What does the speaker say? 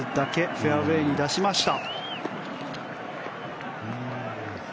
フェアウェーに出しました。